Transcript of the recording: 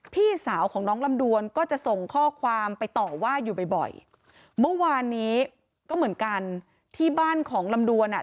พี่สาวของน้องลำดวนก็จะส่งข้อความไปต่อว่าอยู่บ่อยเมื่อวานนี้ก็เหมือนกันที่บ้านของลำดวนอ่ะ